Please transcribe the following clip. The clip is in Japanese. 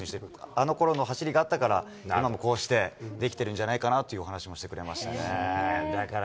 あのころの走りがあったから、今もこうしてできてるんじゃないかなというお話もしてくれましただから、